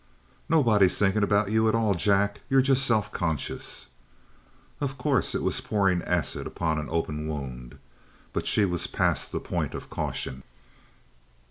"Nobody's thinking about you at all, Jack. You're just self conscious." Of course, it was pouring acid upon an open wound. But she was past the point of caution.